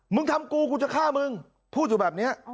มึงทำกูกูจะฆ่ามึงพูดอยู่แบบนี้